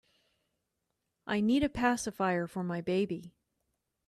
I need a pacifier for my baby.